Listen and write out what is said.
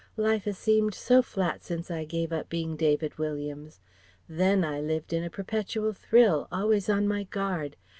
Life has seemed so flat since I gave up being David Williams. Then I lived in a perpetual thrill, always on my guard.